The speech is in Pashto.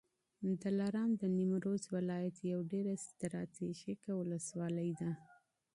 دلارام د نیمروز ولایت یوه ډېره ستراتیژیکه ولسوالي ده